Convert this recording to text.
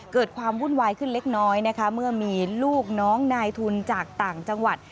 เกิดความวุ่นวายขึ้นเล็กน้อยนะคะเมื่อมีลูกน้องนายทุนจากต่างจังหวัด